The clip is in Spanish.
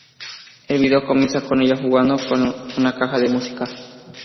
El vídeo comienza con ella jugando con una caja de música.